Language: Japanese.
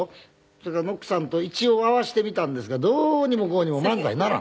それからノックさんと一応合わせてみたんですがどうにもこうにも漫才にならん。